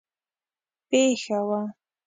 پېښه وه.